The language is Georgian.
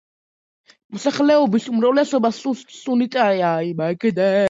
მოსახლეობის უმრავლესობა სუნიტია, უმცირესობას შეადგენენ ქრისტიანები და შიიტები.